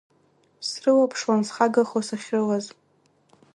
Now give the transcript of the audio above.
Срылаԥшуан, схагахо сахьрылаз.